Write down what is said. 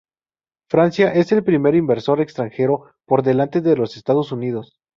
Francia es el primer inversor extranjero, por delante de los Estados Unidos.